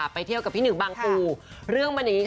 ไปเที่ยวกับพี่หนึ่งบางปู